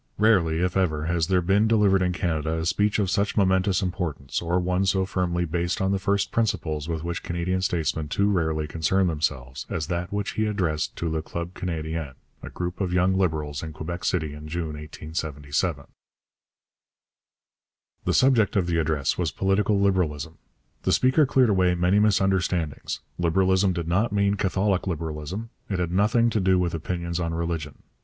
Rarely, if ever, has there been delivered in Canada a speech of such momentous importance, or one so firmly based on the first principles with which Canadian statesmen too rarely concern themselves, as that which he addressed to Le Club Canadien, a group of young Liberals, in Quebec City in June 1877. The subject of the address was Political Liberalism. The speaker cleared away many misunderstandings. Liberalism did not mean Catholic Liberalism; it had nothing to do with opinions on religion.